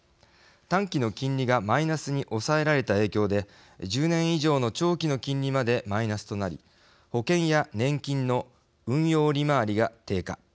短期の金利がマイナスに抑えられた影響で１０年以上の長期の金利までマイナスとなり保険や年金の運用利回りが低下。